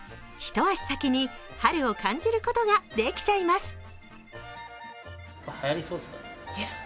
ひと足先に春を感じることができちゃいます。